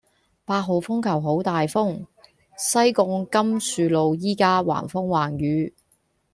八號風球好大風，西貢甘澍路依家橫風橫雨